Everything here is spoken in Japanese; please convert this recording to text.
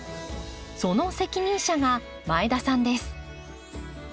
その責任者が前田さんです。